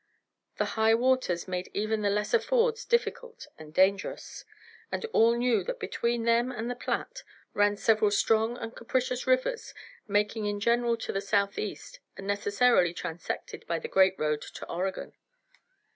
The high waters made even the lesser fords difficult and dangerous, and all knew that between them and the Platte ran several strong and capricious rivers, making in general to the southeast and necessarily transected by the great road to Oregon.